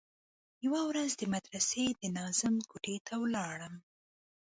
يوه ورځ د مدرسې د ناظم کوټې ته ولاړم.